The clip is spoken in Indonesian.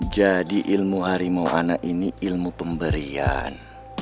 jadi ilmu harimau anak ini ilmu pemberian